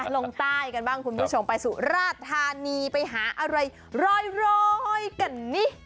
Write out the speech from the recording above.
ลงใต้กันบ้างคุณผู้ชมไปสุราธานีไปหาอะไรร้อยกันนี่